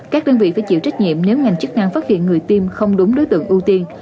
các đơn vị phải chịu trách nhiệm nếu ngành chức năng phát hiện người tiêm không đúng đối tượng ưu tiên